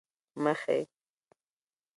مخې،